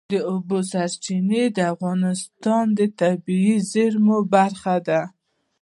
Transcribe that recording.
د اوبو سرچینې د افغانستان د طبیعي زیرمو برخه ده.